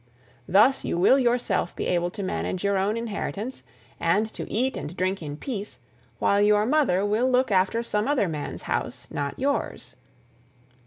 Thus you will yourself be able to manage your own inheritance, and to eat and drink in peace, while your mother will look after some other man's house, not yours.